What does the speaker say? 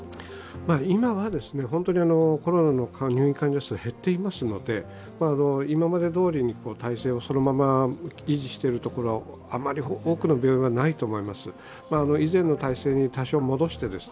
今はコロナの入院患者数が減っていますので今までどおりの態勢を維持しているところはあまり多くの病院はないと思います。